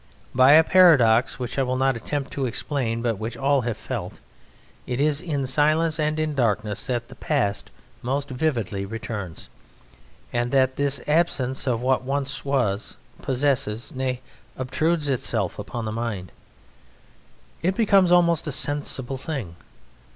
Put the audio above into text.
By a paradox which I will not attempt to explain, but which all have felt, it is in silence and in darkness that the Past most vividly returns, and that this absence of what once was possesses, nay, obtrudes itself upon the mind: it becomes almost a sensible thing.